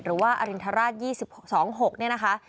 หรือว่าอรินทราช๒๒๖